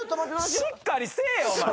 しっかりせえよお前。